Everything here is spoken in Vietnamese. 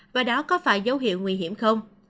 và đó có phải dấu hiệu nguy hiểm không